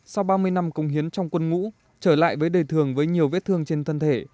sau ba mươi năm công hiến trong quân ngũ trở lại với đời thường với nhiều vết thương trên thân thể